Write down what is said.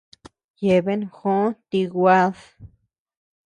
Yeabean jò ti guad.